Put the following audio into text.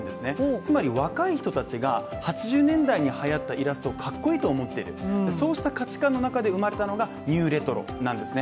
つまり若い人たちが、８０年代に流行ったイラストかっこいいと思ってるそうした価値観の中で生まれたのが、ニューレトロなんですね。